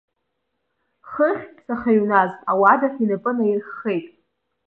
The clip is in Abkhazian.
Хыхь, сахьыҩназ ауадахь инапы наирххеит.